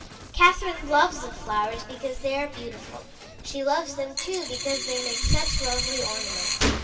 Catherine loves the flowers because they are beautiful. She loves them, too, because they make such lovely ornaments.